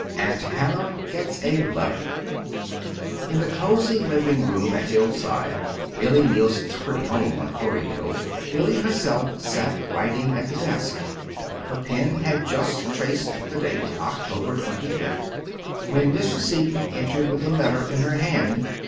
AUNT HANNAH GETS A LETTER In the cozy living room at Hillside, Billy Neilson's pretty home on Corey Hill, Billy herself sat writing at the desk. Her pen had just traced the date, "October twenty fifth," when Mrs. Stetson entered with a letter in her hand.